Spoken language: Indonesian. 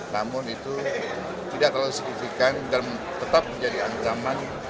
namun itu tidak terlalu signifikan dan tetap menjadi ancaman